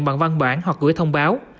bằng văn bản hoặc gửi thông báo